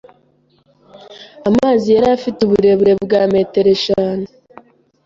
Amazi yari afite uburebure bwa metero eshanu.